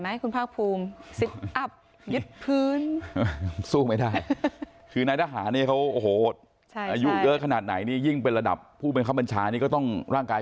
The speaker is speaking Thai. ร่างกายแข็งแรงที่ที่ทำสถิติได้ดีขึ้นทุกคน